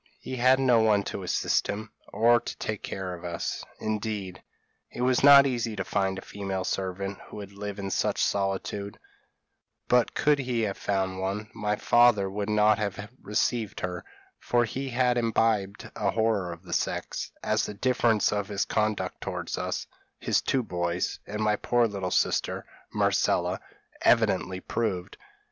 He had no one to assist him, or to take care of us indeed, it was not easy to find a female servant who would live in such a solitude; but could he have found one, my father would nut have received her, for he had imbibed a horror of the sex, as the difference of his conduct towards us, his two boys, and my poor little sister, Marcella evidently proved.